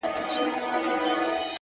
لوړ همت لوړې پایلې راوړي